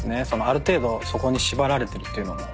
ある程度そこに縛られてるっていうのも。